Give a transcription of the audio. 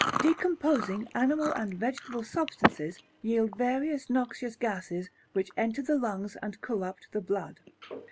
Decomposing animal and vegetable substances yield various noxious gases which enter the lungs and corrupt the blood.